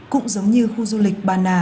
cũng giống như khu du lịch bà nà